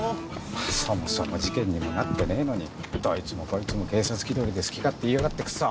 そもそも事件にもなってねえのにどいつもこいつも警察気取りで好き勝手言いやがってクソっ。